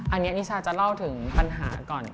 อันนี้นิชาจะเล่าถึงปัญหาก่อน